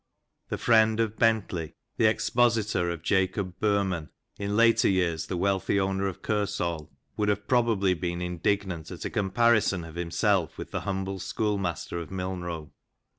The friend of Bentley, the expositor of Jacob Boehmen, in later years the wealthy owner of Kersal, would have pro bably been indignant at a comparison of himself with the humble schoolmaster of Milnrow.